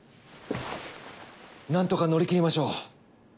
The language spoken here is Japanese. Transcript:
なんとか乗り切りましょう。